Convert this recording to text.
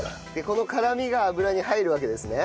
この辛みが油に入るわけですね？